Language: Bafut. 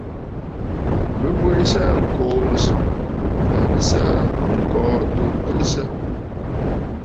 Bɨ bweʼesə aa ŋkòò mɨ̀sɔ̀ŋ, kaa bɨ sɨ aa ŋ̀kɔ̀lɔ̂ àtu bweʼesə.